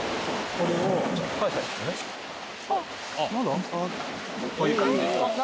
こういう感じ。